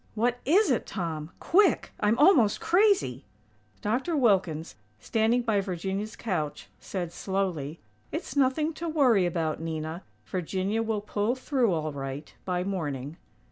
"What is it, Tom? Quick!! I'm almost crazy!!" Dr. Wilkins, standing by Virginia's couch, said, slowly: "It's nothing to worry about, Nina. Virginia will pull through all right, by morning."